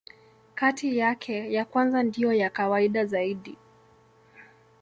Kati yake, ya kwanza ndiyo ya kawaida zaidi.